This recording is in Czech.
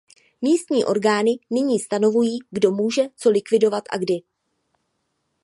Místní orgány nyní stanovují, kdo může co likvidovat a kdy.